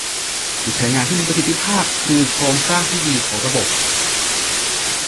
ผู้ใช้งานที่มีประสิทธิภาพคือโครงสร้างที่ดีของระบบ